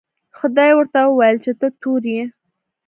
خدای ورته وویل چې ته تور یې.